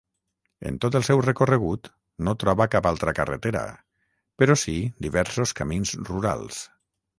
En tot el seu recorregut no troba cap altra carretera, però sí diversos camins rurals.